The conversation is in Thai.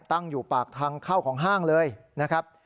ตั้งอยู่ปากทางเข้าของห้างเลยนะครับ